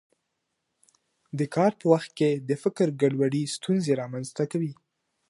د کار په وخت کې د فکر ګډوډي ستونزې رامنځته کوي.